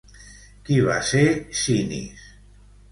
Qui va ser Sinis?